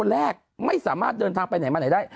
แรกไม่สามารถเดินทางไปไหนมาไหนได้